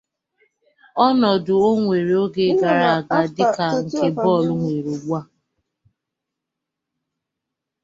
Ọnọdụ o nwere oge gara aga dịka nke bọọlụ nwere ugbua